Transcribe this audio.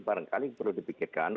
barangkali perlu dipikirkan